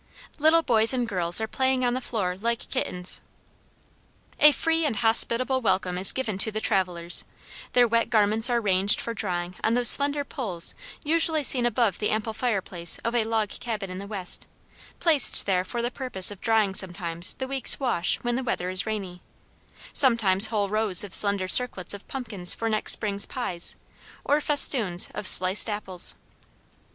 Little boys and girls are playing on the floor like kittens. A free and hospitable welcome is given to the travelers, their wet garments are ranged for drying on those slender poles usually seen above the ample fireplace of a log cabin in the West, placed there for the purpose of drying sometimes the week's wash when the weather is rainy, sometimes whole rows of slender circlets of pumpkins for next spring's pies, or festoons of sliced apples.